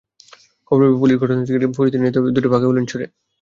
খবর পেয়ে পুলিশ ঘটনাস্থলে গিয়ে পরিস্থিতি নিয়ন্ত্রণে আনতে দুটি ফাঁকা গুলি ছোড়ে।